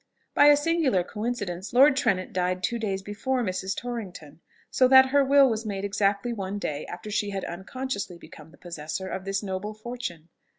By a singular coincidence, Lord Trenet died two days before Mrs. Torrington; so that her will was made exactly one day after she had unconsciously become the possessor of this noble fortune.